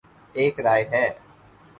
ایک رائے ہے